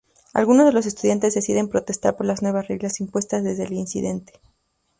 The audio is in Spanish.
Algunos de los estudiantes deciden protestar por las nuevas reglas impuestas desde el incidente.